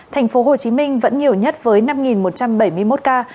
thành phố hồ chí minh vẫn nhiều nhất với năm một trăm bảy mươi một ca